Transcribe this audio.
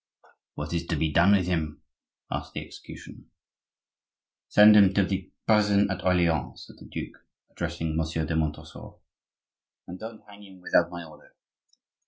"What is to be done with him?" asked the executioner. "Send him to the prison at Orleans," said the duke, addressing Monsieur de Montresor; "and don't hang him without my order."